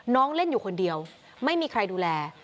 เล่นอยู่คนเดียวไม่มีใครดูแล